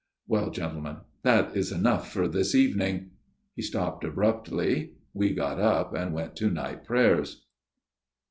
" Well, gentlemen, that is enough for this evening." He stopped abruptly. We got up and went to night prayers.